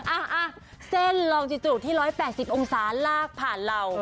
อ่ะเส้นลองจิตุที่๑๘๐องศาลากผ่านเหล่า